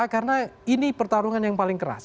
karena ini pertarungan yang paling keras